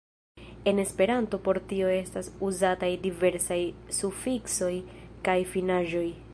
En Esperanto por tio estas uzataj diversaj sufiksoj kaj finaĵoj.